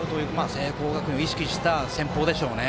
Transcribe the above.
聖光学院を意識した戦法でしょうね。